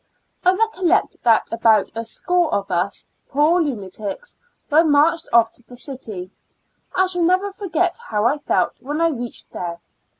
I recollect that about a score of us poor IX A L UXA TIC A SYL U3I. \{)\ lunatics, were marched off to the city. I shall never forget how I felt when I reached there.